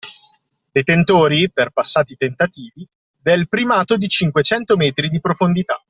Detentori, per passati tentativi, del primato di cinquecento metri di profondità.